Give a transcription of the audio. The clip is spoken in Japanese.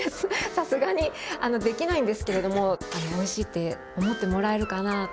さすがにできないんですけれどもおいしいって思ってもらえるかなあと思いながら。